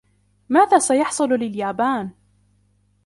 ماذا سيحصل لليابان ؟